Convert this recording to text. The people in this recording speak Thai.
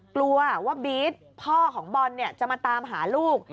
กลัวว่าบี๊ดพ่อของบอลจะมาตามหาลูก